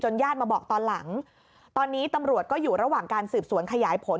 ญาติมาบอกตอนหลังตอนนี้ตำรวจก็อยู่ระหว่างการสืบสวนขยายผล